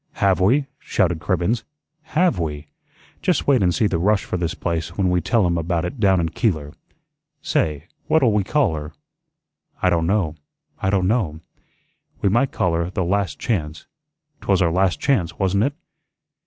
"Have we?" shouted Cribbens. "HAVE we? Just wait and see the rush for this place when we tell 'em about it down in Keeler. Say, what'll we call her?" "I don' know, I don' know." "We might call her the 'Last Chance.' 'Twas our last chance, wasn't it?